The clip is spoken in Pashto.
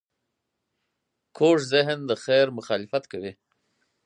کوږ ذهن د خیر مخالفت کوي